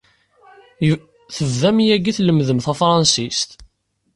Tebdam yagi tlemmdem tafṛensist?